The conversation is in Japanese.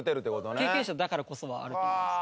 経験者だからこそはあると思います。